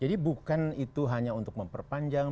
jadi bukan itu hanya untuk memperpanjang